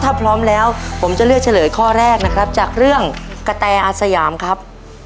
ถ้าพร้อมแล้วผมจะเลือกเฉลยข้อแรกนะครับจากเรื่องกะแตอาสยามครับ